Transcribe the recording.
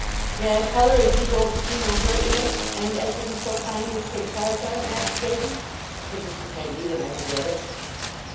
'May I tell her as you doen't see no hurt in't, and as you'll be so kind as take charge on't, Mas'r Davy?' said Mr. Peggotty, when I had read it.